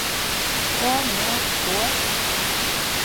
Velna milti! Ko?